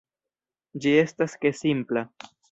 Ĝi estas ke simpla.